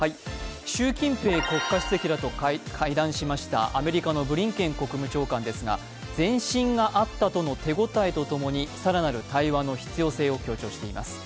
習近平国家主席らと会談しましたアメリカのブリンケン国務長官ですが前進があったとの手応えとともに更なる対話の必要性を強調しています。